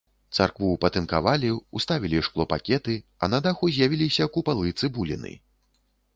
Царкву патынкавалі, уставілі шклопакеты, а на даху з'явіліся купалы-цыбуліны.